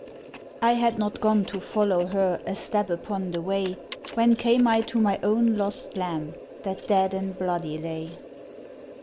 I had not gone to follow her A step upon the way, When came I to my own lost lamb, That dead and bloody lay.